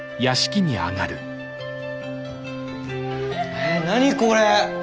え何これ？